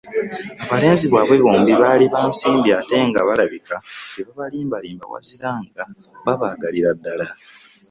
Abalenzi baabwe bombi baali ba nsimbi ate nga balabika tebabalimbalimba wazira nga babaagalira ddala.